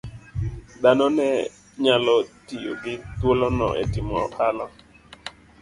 Dhanone nyalo tiyo gi thuolono e timo ohala